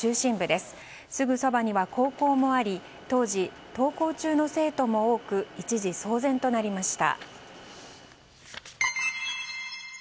すぐそばには高校もあり当時、登校中の生徒も多く一時騒然となりました。